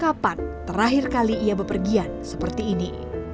kami sudah lupa kapan terakhir kali ia berpergian seperti ini